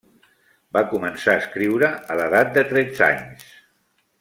Va començar a escriure a l'edat de tretze anys.